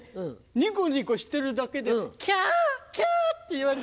ニコニコしてるだけでキャキャ！って言われちゃうのよ。